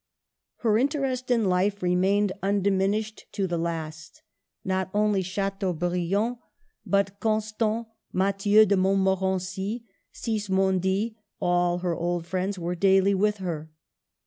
Her interest in life remained undiminished to the last. Not only Chateaubriand, but Constant, Mathieu de Montmorency, Sismondi, all her old friends, were daily with her.